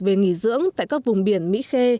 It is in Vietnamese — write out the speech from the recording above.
về nghỉ dưỡng tại các vùng biển mỹ khê